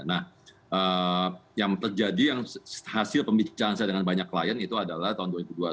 nah yang terjadi yang hasil pembicaraan saya dengan banyak klien itu adalah tahun dua ribu dua puluh satu